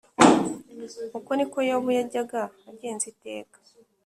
Uko ni ko Yobu yajyaga agenza iteka